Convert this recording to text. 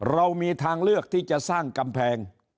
เรามีทางเลือกที่จะสร้างกำแพง